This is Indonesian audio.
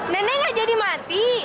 nenek nggak jadi mati